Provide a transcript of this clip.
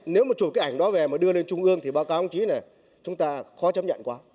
nếu mà chụp cái ảnh đó về mà đưa lên trung ương thì báo cáo đồng chí này chúng ta khó chấp nhận quá